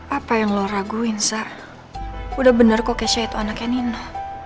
apa yang lo raguin sa udah bener kok keisha itu anaknya nino